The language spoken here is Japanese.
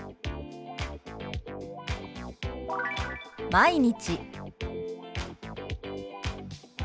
「毎日」。